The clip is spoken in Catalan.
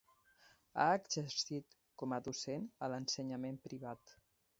Ha exercit com a docent a l'ensenyament privat.